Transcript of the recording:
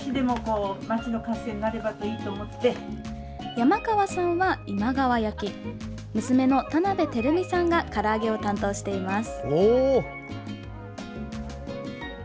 山川さんは今川焼き娘の田辺輝実さんがから揚げを担当しています。